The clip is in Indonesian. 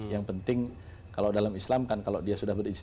yang penting kalau dalam islam kan kalau dia sudah beristira